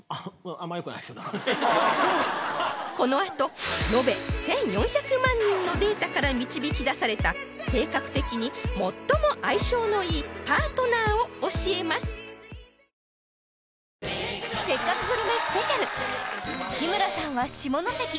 このあとのべ１４００万人のデータから導き出された性格的に最も相性のいいパートナーを教えますパパ、バット買ったの？